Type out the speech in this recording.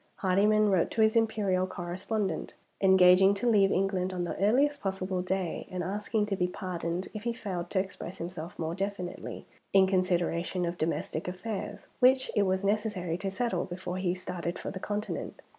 Hardyman wrote to his Imperial correspondent, engaging to leave England on the earliest possible day, and asking to be pardoned if he failed to express himself more definitely, in consideration of domestic affairs, which it was necessary to settle before he started for the Continent.